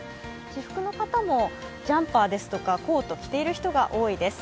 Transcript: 私服の方もジャンパーですとかコートを着ている人が多いです。